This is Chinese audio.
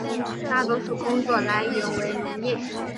大多数工作来源为农业。